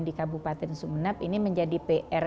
di kabupaten sumeneb ini menjadi pr